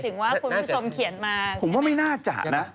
ถึงว่าคุณผู้ชมเขียนมาผมว่าไม่น่าจะนะ